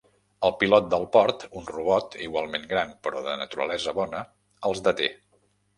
El pilot del port, un robot igualment gran però de naturalesa bona, els deté.